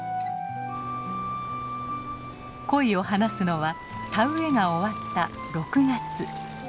コイを放すのは田植えが終わった６月。